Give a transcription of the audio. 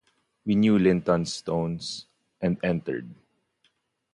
We knew Linton’s tones, and entered.